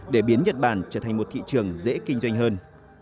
để biến nhật bản trở thành một thị trường dễ kinh doanh hơn